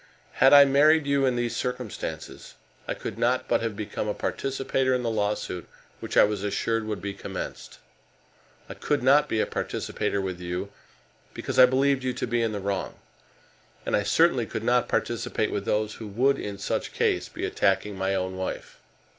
Had I married you in these circumstances, I could not but have become a participator in the lawsuit which I was assured would be commenced. I could not be a participator with you, because I believed you to be in the wrong. And I certainly could not participate with those who would in such case be attacking my own wife.